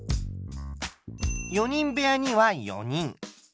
４人部屋には４人。